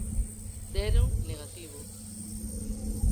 Deron negativo.